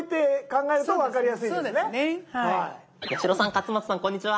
八代さん勝俣さんこんにちは。